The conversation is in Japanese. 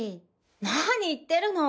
何言ってるの。